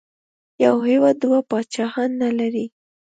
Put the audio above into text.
یو هېواد دوه پاچاهان نه لري.